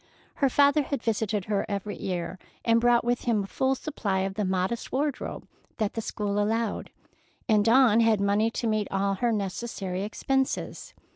Her father had visited her every year and brought with him a full supply of the modest wardrobe that the school allowed, and Dawn had money to meet all her necessary expenses.